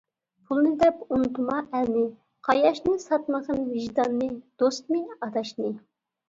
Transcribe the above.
پۇلنى دەپ ئۇنتۇما ئەلنى، قاياشنى، ساتمىغىن ۋىجداننى، دوستنى، ئاداشنى.